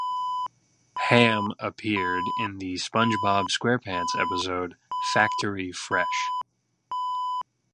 Hamm appeared in the "SpongeBob SquarePants" episode "Factory Fresh".